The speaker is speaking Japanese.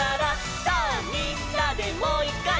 「さぁみんなでもういっかい」